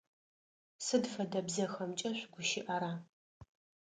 Сыд фэдэ бзэхэмкӏэ шъугущыӏэра?